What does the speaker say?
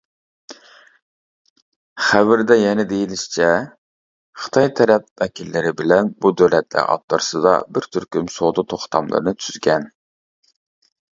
خەۋىرىدە يەنە دېيىلىشىچە، خىتاي تەرەپ ۋەكىللىرى بىلەن بۇ دۆلەتلەر ئوتتۇرىسىدا بىر تۈركۈم سودا توختاملىرىنى تۈزگەن.